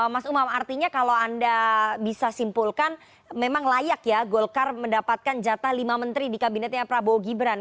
mas umam artinya kalau anda bisa simpulkan memang layak ya golkar mendapatkan jatah lima menteri di kabinetnya prabowo gibran